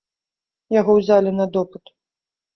Яго ўзялі на допыт.